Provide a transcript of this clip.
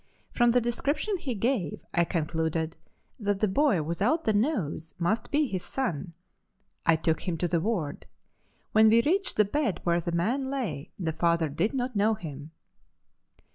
From the description he gave I concluded that the boy without the nose must be his son. I took him to the ward. When we reached the bed where the man lay the father did not know him.